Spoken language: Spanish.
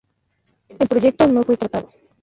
El proyecto no fue tratado.